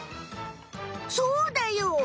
そうだよ。